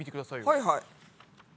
はいはい。